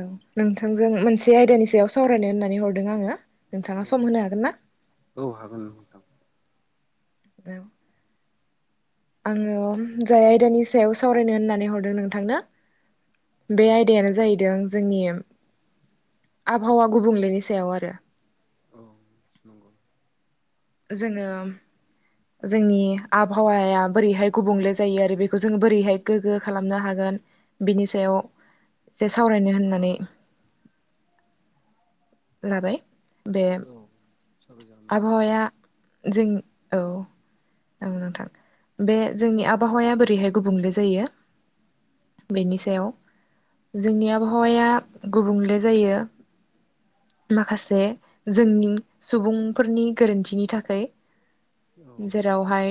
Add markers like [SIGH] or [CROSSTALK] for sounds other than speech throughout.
औ नोंथांजों मोनसे आयदानि सायाव सावरायनो होननानै हरदों आङो। औ नोंथाङा सम होनो हागोन ना? औ हागोन नोंथां। औ आङोम जाय आयदानि सायाव सावरायनो होननानै हरदों नोंथांनो औ बे आयदायानो जाहैदों ज जोंनिम आबहावा गुबुंलेनि सायाव आरो औ जोङोम जोंनि आबहावाया बोरैहाय गुबुंले जायो आरो बेखौ जों बोरैहाय गोग्गो खालामनो हागोन गोन बेनि सायाव एसे सावरायनो होननानै [INAUDIBLE] लाबाय बे साबाय जागोन नोंथां। आबहावाया जों औ औ नोंथां बे जोंनि आबहावाया बोरैहाय गुबुंले जायो। बेनि सायाव जोंनि आबहावाया गुबुंले जायो माखासे जोंनि सुबुं फोरनि गोरोन्थिनि थाखाय औ जेरावहाय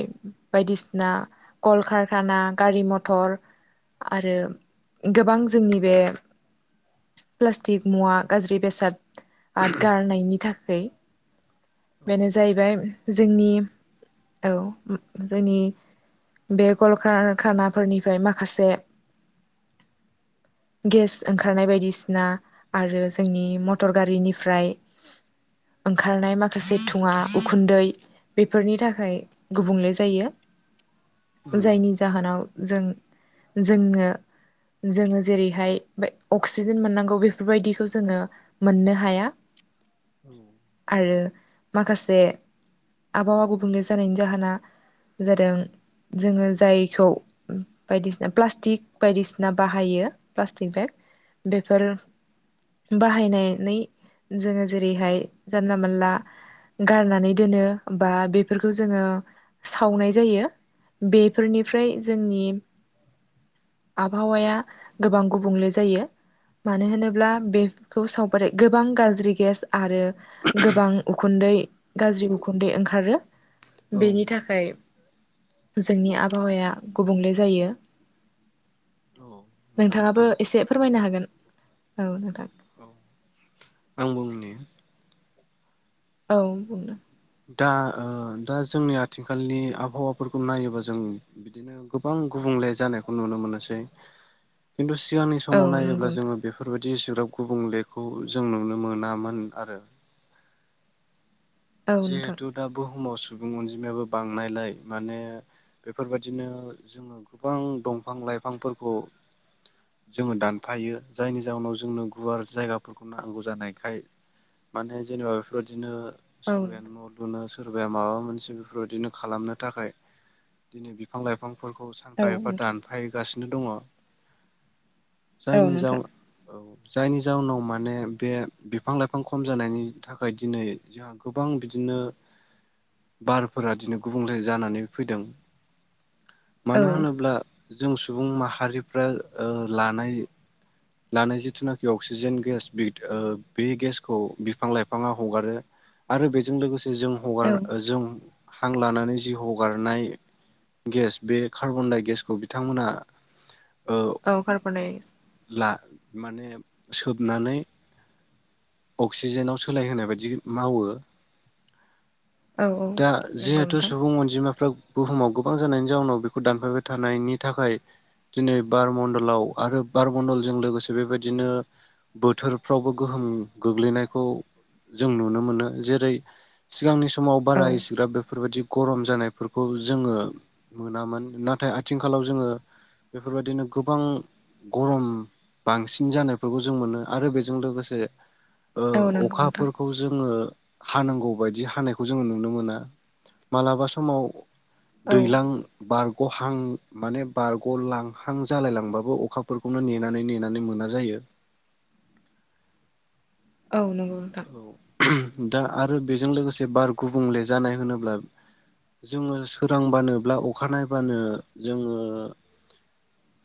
बायदिसिना कलकारखाना गारि मथर आरो गोबां जोंनि बे प्लास्टिक मुवा गाज्रि बेसाद आ गारनायनि थाखाय। बेनो जाहैबाय जोंनि औ जोंनि बे कलकारखाना फोरनिफ्राय माखासे [INAUDIBLE] गेस ओंखारनाय बायदिसिना आरो जोंनि मटर गारिनिफ्राय ओंखारनाय माखा माखासे थुङा उखुन्दै बेफोरनि थाखाय गुबुंले जायो। जायनि जाहोनाव जों जोंनो जोङो जेरैहाय बे अक्सिजेन मोननांगौ बेफोरबायदिखौ जोङो मोननो हाया। [INAUDIBLE] आरो माखासे आबहावा गुबुंले जानायनि जाहोना जादों जोङो जायखौ बायदिसिना प्लास्टिक बायदिसिना बाहायो प्लास्टिक बेग बेफोर बाहायनानै जोङो जेरैहाय जानला मोनला गारनानै दोनो बा बेफोरखौ जोङो सावनाय जायो। बेफोरनिफ्राय जोंनि आबहावाया गोबां गुबुंले जायो। मानो होनोब्ला बेखौ सावगारि गोबां गाज्रि गेस आरो गोबां उखुन्दै गाज्रि उखुन्दै ओंखारो औ बेनि थाखाय जोंनि आबहावाया गुबुंले जायो। नोंथाङाबो एसे फोरमायनो हागोन औ नोंथां। आं बुंनि औ बुंनो दा दा जोंनि आथिखालनि आबहावाफोरखौ नायोबा जों बिदिनो गोबां गुबुं ले जानायखौ नुनोमोनसै खिनथु सिगांनि औ समाव नंगौ नायोब्ला जों नोंथां बेफोर बादि बिदि सोग्राब गुबुंलेखौ जों नुनो मोनामोन आरो औ नोंथां जिहेथु दा बुहुमाव सुबुं अनजिमायाबो बांनायलाय माने बेफोरबायदिनो जोङो गोबां दंफां लाइफांफोरखौ जोङो दानफायो जायनि जााहनाव जोंनो गुवार जायगाफोरखौ नांगौ जानायखाय माने जेनेबा बेफोरबायदिनो औ सोरबाया न' लुनो सोरबाया माबा मोनसे बेफोरबायदिनो खालामनो थाखाय बिदिनो बिफां लाइफां फोरखौ सानफा औ एफा नोंथां दानफायगासिनो दङ औ जायनि जाउन नोंथां औ जायनि जाउनाव माने बे बिफां लाइफां खम जानायनि थाखाय दिनै जोंहा गोबां बिदिनो बारफोरा बिदिनो गुबुंले जानानै फैदों औ मानो होनोब्ला जों सुबुं माहारिफ्रा ओ लानाय लानाय जिथुनाखि अक्सिजेन गेस बिल ओ गेस बे गेसखौ बिफां लाइफाङा हगारो आरो बेजों लोगोसे जों औ हगार जों हां लानानै जि हगारनाय गेस बे कार्बन डाइ गेसखौ बिथांमोना ओ औ कार्बनडाइ ला माने सोबनानै अक्सिजेनाव सोलायहोनाय बायदि मावो औ दा नंगौ जिहेथु नोंथां सुबुं अनजिमाफ्रा बुहुमाव गोबां जानायनि जाउनाव बेखौ दानफायबाय थानायनि थाखाय दिनै बारमडलाव आरो बार मन्दलजों लोगोसे बेबायदिनो बोथोरफ्रावबो गोहोम गोग्लैनायखौ जों नुनो मोनो जेरै सिगांनि समाव औ बारा एसिग्राफ बेफोरबायदि गरम जानायफोरखौ जोङो मोनामोन नाथाय आथिंखालाव जोङो बेफोरबायदिनो गोबां गरम बांसिन जानायफोरखौ जों मोनो आरो बेजों लोगोसे ओ औ नंगौ नोंथां अखाफोरखौ जोङो हानांगौ बायदि हानायखौ जोङो नुनो मोना मालाबा समाव औ दैलां बारग'हां माने बारग' लांहां जालायलांबाबो अखा फोरखौनो नेनानै नेनानै मोना जायो। औ नंगौ नोंथां। औ दा आरो बेजों लोगोसे बार गुबुंले जानाय होनोब्ला जोङो सोरांबानोब्ला अखा नायबानो जोङो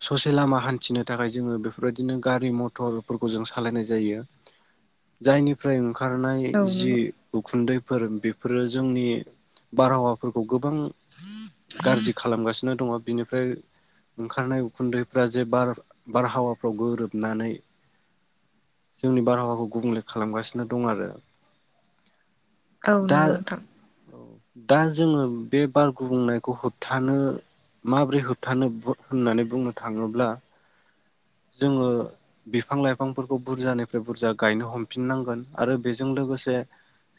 ससे लामा हान्थिनो थाखाय जोङो बेफोरबायदिनो गारि मथरफोरखौ जों सालायनाय जायो जायनि फ्राय ओंखारनाय औ जि नंगौ उखुन्दैफोर बेफोरो जोंनि बारहावाफोरखौ गोबां गाज्रि खालामगासिनो दङ' बिनिफ्राय ओंखारनाय उखुन्दैफ्रा जे बारहावाफ्राव गोरोबनानै जोंनि बारहावाखौ गुबुंले खालामगासिनो दं आरो औ दा नोंगौ नोंथां। दा जोङो बे बार गुबुंनायखौ होबथानो माबोरै होबथानो होननानै बुंनो थाङोब्ला जोङो बिफां लाइफांफोरखौ बुरजानिफ्राय बुरजा गायनो हमफिननांगोन आरो बेजों लोगोसे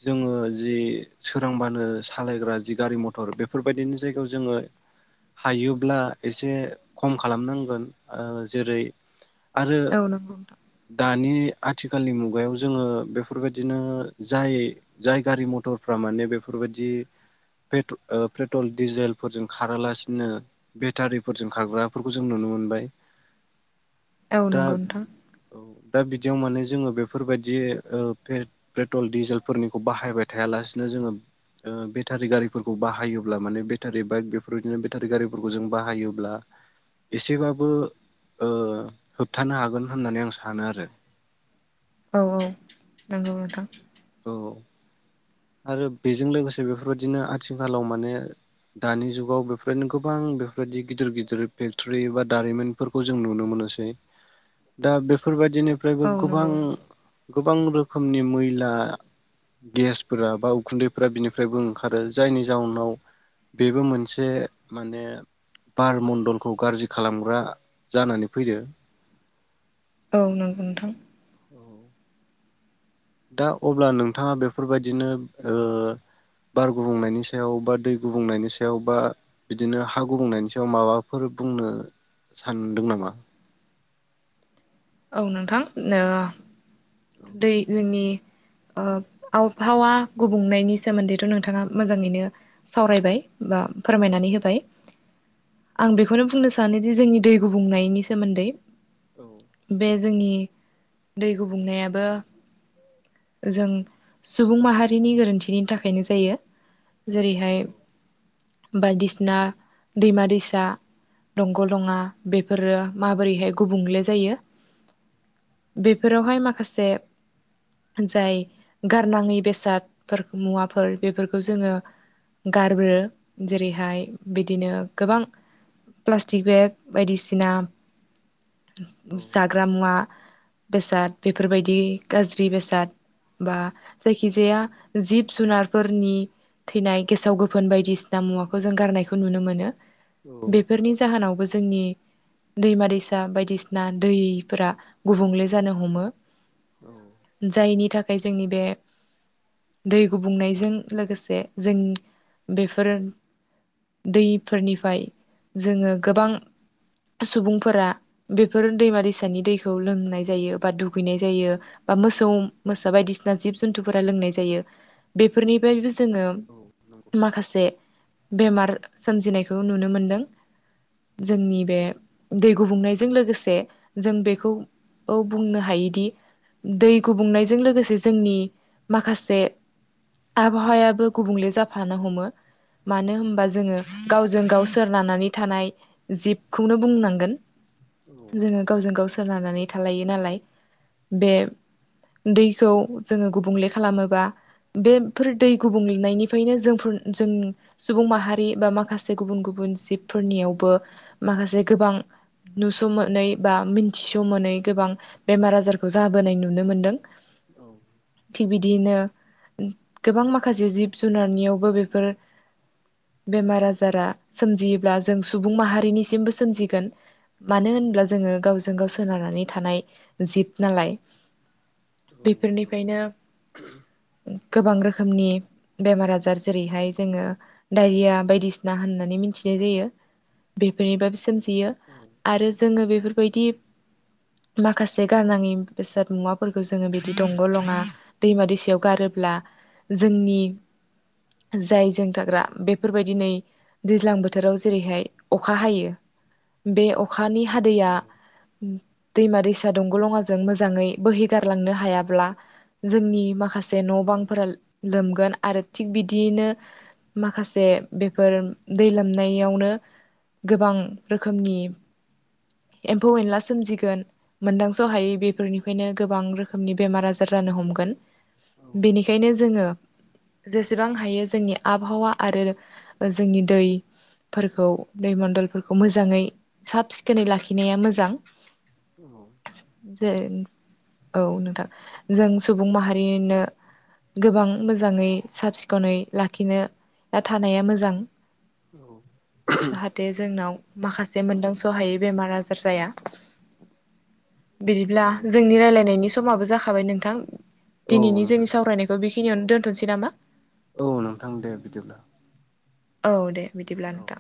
जोङो जि सोरांबानो सालायग्रा जि गारि मथर बेफोरबायदिनि जायगायाव जोङो हायोब्ला एसे खम खालामनांगोन ओ जेरै आरो औ नंगौ नोंथां दानि आथिखालनि मुगायाव जोङो बे बेफोरबायदिनो जाय जाय गारि मथरफ्रा माने बेफोरबायदि ओ पेट्रल डिजेलफोरजों खारालासिनो बेटारिफोरजों खारग्राफोरखौ जों नुनो मोनो मोनबाय औ दा नंगौ नोंथां। दा बिदियाव माने जोङो बेफोरबायदि बे पेट्रल डिजेलफोरनिखौ बाहायबाय थायालासिनो जोङो ओ बेटारि गारिफोरखौ बाहायोब्ला माने बेटारि बाइक बेफोरबायदिनो बेटारि गारिफोरखौ जों बाहायोब्ला एसेबाबो ओ होबथानो हागोन होननानै आं सानो आरो औ औ नोंगौ नोंथां। औ आरो बेजों लोगोसे बेफोरबायदिनो आथिखालाव माने दानि जुगाव बेफोरनो गोबां बेफोरबायदि गिदिर गिदिर फेक्ट'रि एबा दारिमिनफोरखौ जों नुनो मोनो नुसै दा बेफोरबायद दिनिफ्रायबो औ गोबां नंगौ नोंथां गोबां रोखोमनि मैला गेस फोर बा उखुन्दैफोरा बिनिफ्रायबो ओंखारो जायनि जाउनाव बेबो मोनसे माने बार मण्डलखौ गाज्रि खालामग्रा जानानै फैयो औ नोंगौ नोंथां। औ दा अब्ला नोंथाङा बेफोरबायदिनो ओ बार गुबुंनायनि सायाव बा दै गुबुंनायनि सायाव बा बिदिनो हा गुबुंनायनि सायाव माबाफोर बुंनो सानदों नामा? औ नोंथां नो दै जोंनि ओ आबफावा गुबुंनायनि सोमोन्दैथ नोंथाङा मोजाङैनो सावरायबाय बा फोरमायनानै होबाय आं बेखौनो बुंनो सानोदि जोंनि दै गुबुंनायनि सोमोन्दै बे जोंनि दै गुबुंनायाबो जों सुबुं माहारिनि गोरोन्थिनि थाखायनो जायो जेरैहाय बायदिसिना दैमा दैसा दंग दङा बेफोरो माबोरैहाय गुबुंले जायो? बेफोरावहाय माखासे जाय गारनाङि बेसादफोर मुवाफोर बेफोरखौ जोङो गारब्रो जेरैहाय बिदिनो गोबां प्लास्टिक बेग बायदिसिना जाग्रा मुवा बेसाद बेफोरबायदि गाज्रि बेसाद बा जायखिजाया जिब जुनारफोरनि थैनाय गेसाव गोफोन बायदिसिना मुवाखौ जों गारनायखौ नुनो मोनो बेफोरनि जाहोनाव बो जोंनि दैमा दैसा बायदिसिना दैफोरा गुबुंले जानो हमो जायनि थाखाय जोंनि बे दै गुबुंनायजों लोगोसे जों बेफोरो दैफोरनिफ्राय जोङो गोबां सुबुंफोरा बेफोर दैमा दैसानि दैखौ लोंनाय जायो बा दुख गैनाय जायो बा मोसौ मोसा बायदिसिना जिब जुन्थुफोरा लोंनाय जायो बेफोरनिफ्रायबो जोङो माखासे बेमार सोमजिनायखौ नुनो मोनदों जोंनि बे दै गुबुंनायजों लोगोसे जों बेखौ औ बुंनो हायो दि दै गुबुंनायजों लोगोसे जोंनि माखासे आबाहावायाबो गुबुंले जाफानो हमो मानो होनबा जोङो गावजों गाव सोरनानै थानाय जिबखौनो बुंनांगोन जोङो गावजों गाव सोनारनानै थालायो नालाय बे दैखौ जोङो गुबुंले खालामोबा बेफोर दै गुबुंलेनायनिफ्रायनो जोंफोर जों सुबुं माहारि बा माखासे गुबुन गुबुन बुन जिबफोरनियावबो माखासे गोबां नुस मोनै बा मिन्थिस मोनै गोबां बेमार आजारखौ जाबोनाय नुनो मोनदों थिग बिदियैनो गोबां माखासे जिब जुनारनियावबो बेफोर बेमार आजारा सोमजियोब्ला जों सुबुं माहारिनिसिमबो सोमजिगोन मानो होनब्ला जोङो गावजों गाव सोनारनानै थानाय जिब नालाय बेफोरनिफ्रायनो [INAUDIBLE] गोबां रोखोमनि बेमार आजार जेरैहाय जोङो डायरिया बायदिसिना होननानै मि थिनाय जायो बेफोरनिफ्रायबो सोमजियो आरो जोङो बेफोरबायदि माखासे गारनाङि बेसाद मुवाफोरखौ जोङो बिदि दंग लङा दैमा दैसायाव गारोब्ला जोंनि जाय जों थाग्रा बेफोरबायदि नै दैज्लां बोथोराव जेरैहाय अखा हायो बे अ खानि हादैया दैमा दैसा दंग लङाजों मोजाङै बोहैगारलांनो हायाब्ला जोंनि माखा से न बांफोरा लोमगोन आरो थिग बिदियैनो माखासे बेफोर दै लोमनायावनो गोबां रोखोमनि एम्फौ एनला सोमजिगोन मोन्दांस' हायै बेफोरनिफ्रायनो गोबां रोखोमनि बेमार आजार जानो हमगोन। बेनिखायनो जोङो जेसेबां हायो जोंनि आबहावा आरो जोंनि दै फोरखौ दै मण्न्दलफोरखौ मोजाङै साब सिखोनै लाखिनाया मोजां। जे औ नोंथां जों सुबुं माहारिनो गोबां मोजाङै साब सिखोनै लाखिनो बा थानाया मोजां। जाहाथे जोंनाव माखासे मोन्दांसहायै बेमार आजार जाया बिदिब्ला जोंनि रायलायनायनि समाबो जाखाबाय नोंथां औ दिनैनि नोंथां जोंनि सावरायनायखौ बे खिनियावनो दोनथ'नोसै नामा? औ नोंथां दे बिदिब्ला। औ दे बिदिब्ला औ नोंथां।